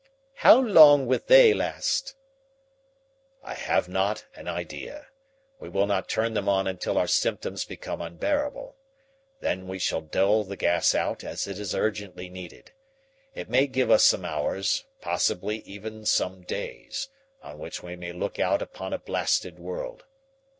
"How long will they last?" "I have not an idea. We will not turn them on until our symptoms become unbearable. Then we shall dole the gas out as it is urgently needed. It may give us some hours, possibly even some days, on which we may look out upon a blasted world.